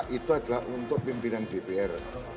itu adalah untuk pimpinan dpr